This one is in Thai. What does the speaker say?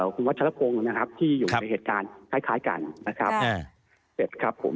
คุณวัชรพงศ์นะครับที่อยู่ในเหตุการณ์คล้ายกันนะครับเสร็จครับผม